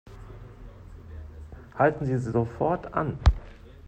Halten Sie sofort an!